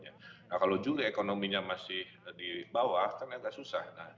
nah kalau juga ekonominya masih di bawah kan agak susah